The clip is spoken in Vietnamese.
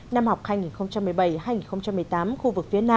năm học hai nghìn một mươi bảy hai nghìn một mươi tám khu vực phía nam